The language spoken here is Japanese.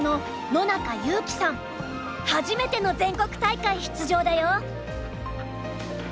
初めての全国大会出場だよ。